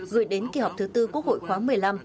gửi đến kỳ họp thứ tư quốc hội khoáng một mươi năm